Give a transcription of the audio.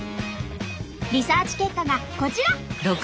リサーチ結果がこちら。